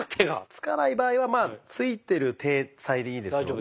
つかない場合はついてる体裁でいいですので。